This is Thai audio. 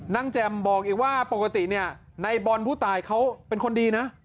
แจ่มบอกอีกว่าปกติเนี่ยในบอลผู้ตายเขาเป็นคนดีนะ